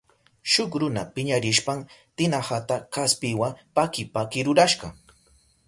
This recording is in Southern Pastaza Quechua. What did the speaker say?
Shuk runa piñarishpan tinahata kaspiwa paki paki rurashka.